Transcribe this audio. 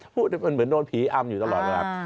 พูดมันเหมือนโดนผีอำอยู่ตลอดเวลา